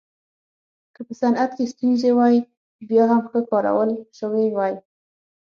که په صنعت کې ستونزې وای بیا هم ښه کارول شوې وای